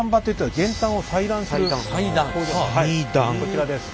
こちらです。